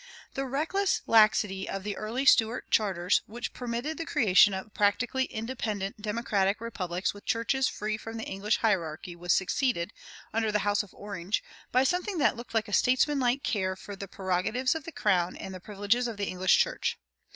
The reckless laxity of the early Stuart charters, which permitted the creation of practically independent democratic republics with churches free from the English hierarchy, was succeeded, under the House of Orange, by something that looked like a statesmanlike care for the prerogatives of the crown and the privileges of the English church.